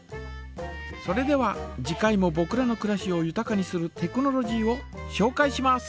それでは次回もぼくらのくらしをゆたかにするテクノロジーをしょうかいします。